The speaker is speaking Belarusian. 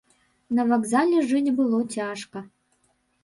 На вакзале жыць было цяжка.